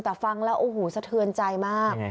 แต่ฟังแล้วโอ้โหสะเทือนใจมาก